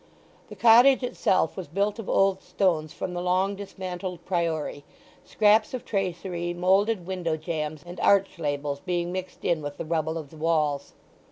The cottage itself was built of old stones from the long dismantled Priory, scraps of tracery, moulded window jambs, and arch labels, being mixed in with the rubble of the walls.